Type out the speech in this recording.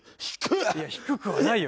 いや低くはないよ